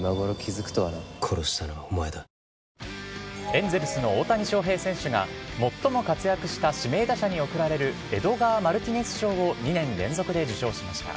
エンゼルスの大谷翔平選手が、最も活躍した指名打者に贈られる、エドガー・マルティネス賞を２年連続で受賞しました。